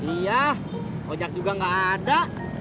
iya ojek juga nggak ada